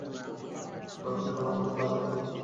কিন্তু কাল সকালে আমাদের তারাতাড়ি বের হতে হবে, ভুলে যেও না।